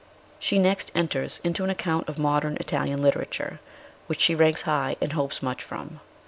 She next enters into an account of modern Italian litera ture, which she ranks high, and hopes much from.